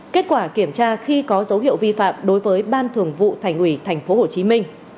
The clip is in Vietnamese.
kết quả kiểm tra khi có dấu hiệu vi phạm đối với ban thường vụ thành ủy tp hcm